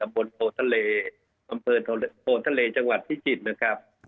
บนโทรทะเลจังหวัดพิจิตรนะครับ